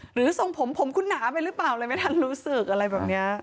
ทรงผมผมคุณหนาไปหรือเปล่าเลยไม่ทันรู้สึกอะไรแบบนี้